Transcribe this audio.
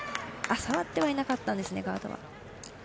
触ってはいなかったんですねガードは。